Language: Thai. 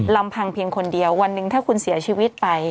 ลำพังเพียงคนเดียววันหนึ่งถ้าคุณเสียชีวิตไป